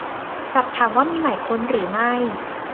สอบถามว่ามีหมายค้นหรือไม่